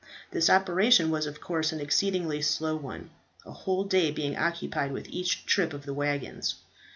This operation was of course an exceedingly slow one, a whole day being occupied with each trip of the waggons.